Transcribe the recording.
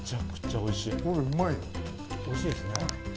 おいしいですね。